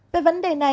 về vấn đề này nhạc sĩ